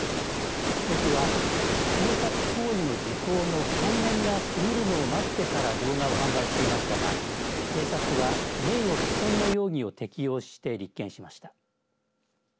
被告は盗撮行為の時効の３年が過ぎるのを待ってから動画を販売していましたが警察は名誉毀損の容疑を適用して立件しました。